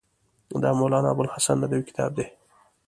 دا مولانا ابوالحسن ندوي کتاب دی.